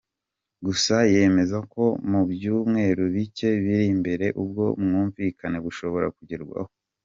Gusa yemeza ko mu byumweru bicye biri imbere ubwo bwumvikane bushobora kugerwaho.